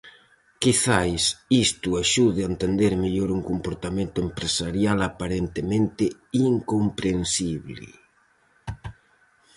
Quizais isto axude a entender mellor un comportamento empresarial aparentemente incomprensible.